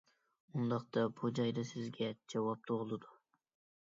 ئۇنداقتا بۇ جايدا سىزگە جاۋاب تۇغۇلىدۇ.